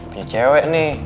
punya cewek nih